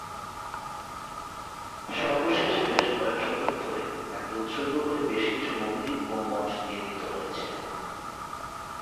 সর্বশেষ বেশ কয়েক শতক ধরে তাকে উৎসর্গ করে বেশকিছু মন্দির ও মঠ নির্মিত হয়েছে।